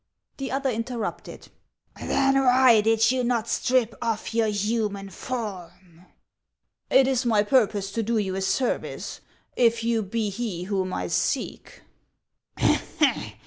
The other interrupted, " Then why did you not strip off your human form ?"" It is my purpose to do you a service, if you be he whom I seek."